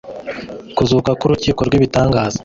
kuzuka k'urukiko rwibitangaza